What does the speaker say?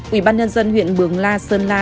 ubnd huyện mường la sơn la